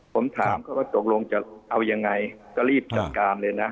ผมถามเขาว่าตกลงจะเอายังไงก็รีบจัดการเลยนะ